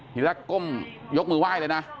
ทีแรกก้มยกมือไหว้เลยนะ